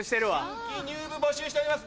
新規入部募集しております